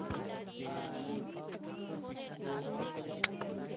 পোশাকের পাশাপাশি জুতা-সেন্ডেল এবং নানা ধরনের প্রসাধনীর দোকানেও ভালো বেচাকেনা চলছে।